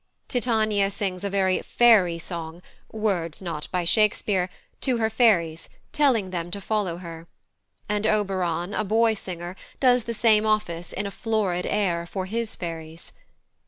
Titania sings a very "fairy" song, words not by Shakespeare, to her fairies, telling them to follow her; and Oberon, a boy singer, does the same office, in a florid air, for his fairies.